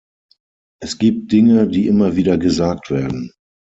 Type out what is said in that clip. Es gibt Dinge, die immer wieder gesagt werden.